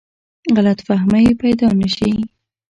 غلط فهمۍ پیدا نه شي.